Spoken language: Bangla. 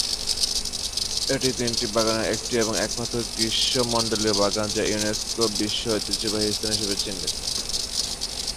এটি তিনটি বাগানের একটি এবং একমাত্র গ্রীষ্মমন্ডলীয় বাগান, যা ইউনেস্কো বিশ্ব ঐতিহ্যবাহী স্থান হিসেবে চিহ্নিত।